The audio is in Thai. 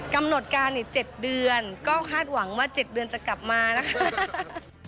กำหนดการ๗เดือนก็คาดหวังว่า๗เดือนจะกลับมานะคะ